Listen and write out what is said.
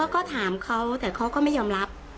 ก็ถามเขาแต่เขาก็ไม่ยอมรับ